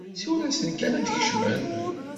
Siwel-asen kan ad d-kecmen!